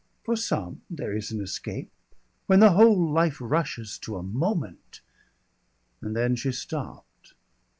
"For some there is an escape. When the whole life rushes to a moment " And then she stopped.